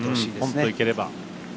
ぽんといければ。